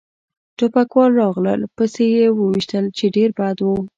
ټوپکوال راغلل پسې و يې ویشتل، چې ډېر بد و.